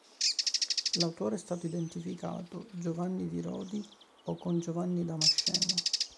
L'autore è stato identificato Giovanni di Rodi o con Giovanni Damasceno.